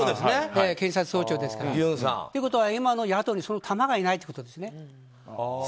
検察総長ですから。ということは、今の野党にそのたまがいないということです。